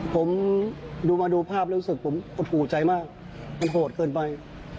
ผมดูมาดูภาพแล้วรู้สึกผมหดหูใจมากมันโหดเกินไป